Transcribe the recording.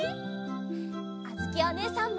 あづきおねえさんも！